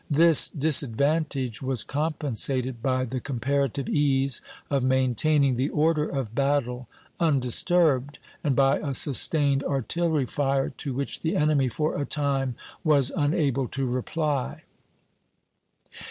This disadvantage was compensated by the comparative ease of maintaining the order of battle undisturbed, and by a sustained artillery fire to which the enemy for a time was unable to reply.